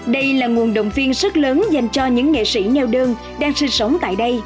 đây là nguồn động viên rất lớn dành cho những nghệ sĩ neo đơn đang sinh sống tại đây